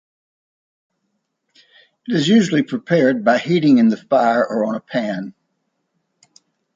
It is usually prepared by heating in the fire or on a pan.